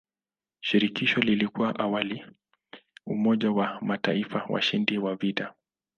Shirikisho lilikuwa awali umoja wa mataifa washindi wa vita.